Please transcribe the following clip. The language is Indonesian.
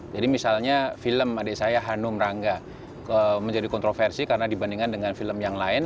jadi misalnya film adik saya hanum rangga menjadi kontroversi karena dibandingkan dengan film yang lain